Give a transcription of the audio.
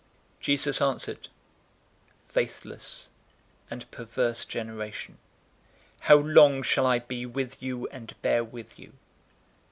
009:041 Jesus answered, "Faithless and perverse generation, how long shall I be with you and bear with you?